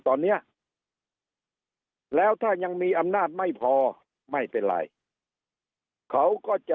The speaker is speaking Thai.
ตอนนี้แล้วถ้ายังมีอำนาจไม่พอไม่เป็นไรเขาก็จะ